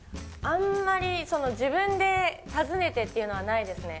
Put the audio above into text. あんまりその自分で訪ねてっていうのはないですね